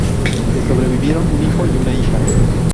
Le sobrevivieron un hijo y una hija.